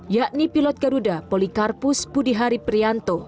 yakni pilot garuda polikarpus budihari prianto